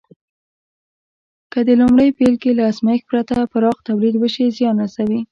که د لومړۍ بېلګې له ازمېښت پرته پراخ تولید وشي، زیان رسوي.